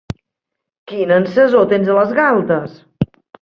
Quina encesor tens a les galtes!